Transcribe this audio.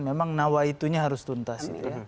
memang nawaitunya harus tuntas